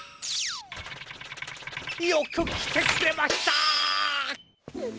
よくきてくれました！